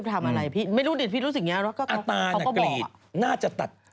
เป็นผู้หญิงคนนึง